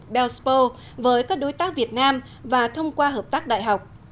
belspo với các đối tác việt nam và thông qua hợp tác đại học